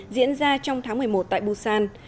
diễn ra trong tháng một mươi một tại busan